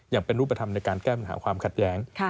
อย่างเป็นรูปธรรมในการแก้ปัญหาความขัดแย้ง